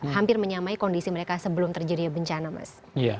hampir menyamai kondisi mereka sebelum terjadinya bencana mas